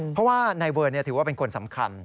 เพราะว่านายเวิร์นถือว่าเป็นคนสำคัญ